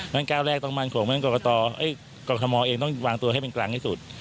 นั่นก้าวแรกต้องมั่นของกรรมศาลมอล์เองต้องวางตัวให้เป็นกลางที่สุด